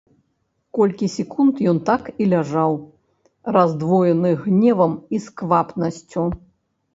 Колькі секунд ён так і ляжаў, раздвоены гневам і сквапнасцю.